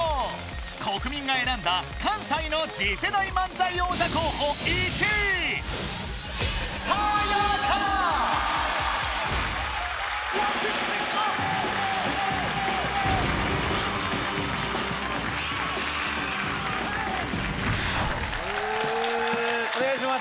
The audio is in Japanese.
国民が選んだ関西の次世代漫才王者候補１位お願いします